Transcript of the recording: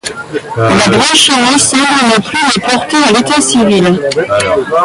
La branche ainée semble ne plus le porter à l’état-civil.